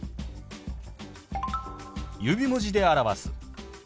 指文字で表す。